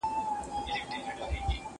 زه لوښي نه وچوم!